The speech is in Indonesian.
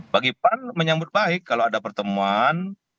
bagi pan menyambut baik kalau ada pertemuan